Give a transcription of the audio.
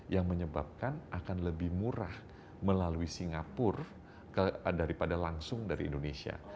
yang menyebabkan akan lebih murah melalui singapura daripada langsung dari indonesia